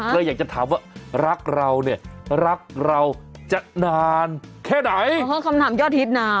เลยอยากจะถามว่ารักเราเนี่ยรักเราจะนานแค่ไหน